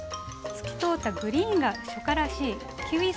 透き通ったグリーンが初夏らしいキウイソース。